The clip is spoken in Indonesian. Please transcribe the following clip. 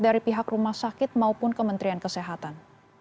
dari pihak rumah sakit maupun kementerian kesehatan